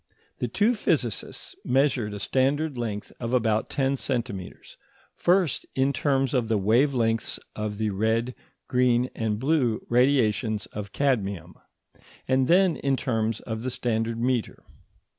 The two physicists measured a standard length of about ten centimetres, first in terms of the wave lengths of the red, green, and blue radiations of cadmium, and then in terms of the standard metre.